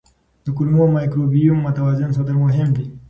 د کولمو مایکروبیوم متوازن ساتل مهم دي.